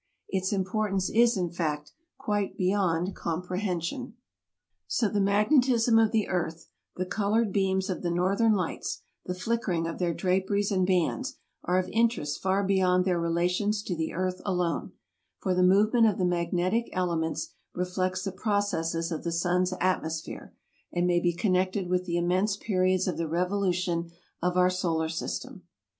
Its importance is, in fact, quite beyond comprehension. So the magnetism of the earth, the colored beams of the northern lights, the flickering of their draperies and bands, are of interest far beyond their relations to the earth alone; for the movement of the magnetic elements reflects the pro cesses of the sun's atmosphere, and may be connected with the immense periods of the revolution of our solar system.